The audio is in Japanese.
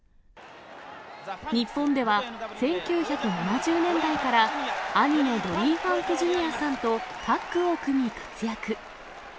日本では１９７０年代から、兄のドリー・ファンク・Ｊｒ．さんとタッグを組み活躍。